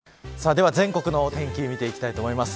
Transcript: では全国のお天気を見ていきたいと思います。